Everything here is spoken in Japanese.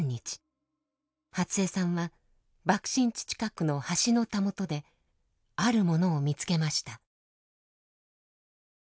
初恵さんは爆心地近くの橋のたもとであるものを見つけました。